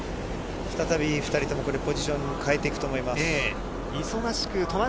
２人ともポジションを変えていくと思います。